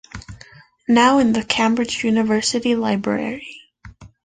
Now in the Cambridge University Library.